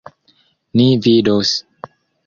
Ni vidos.